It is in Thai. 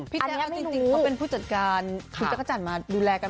พี่แจ๊กไม่รู้เขาเป็นผู้จัดการของจักรจันทร์มาดูแลกัน